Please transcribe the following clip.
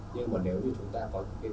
nhưng mà nếu như chúng ta có những cái